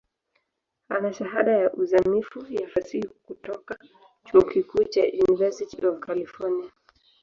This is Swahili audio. Ana Shahada ya uzamivu ya Fasihi kutoka chuo kikuu cha University of California.